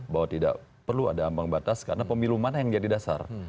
bahwa tidak perlu ada ambang batas karena pemilu mana yang jadi dasar